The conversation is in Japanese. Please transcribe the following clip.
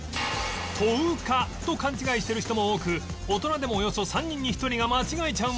「とうか」と勘違いしている人も多く大人でもおよそ３人に１人が間違えちゃう問題